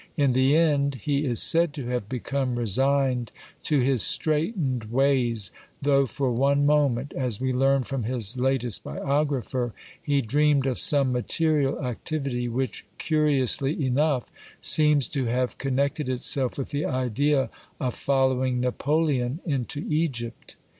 In the end he is said to have become resigned to his straitened ways, though for one moment, as we learn from his latest biographer, he dreamed of some material activity, which, curiously enough, seems to have con , nected itself with the idea of following Napoleon into Egypt.